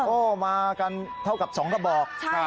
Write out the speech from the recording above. โอ้มากันเท่ากับสองกระบอก๓คน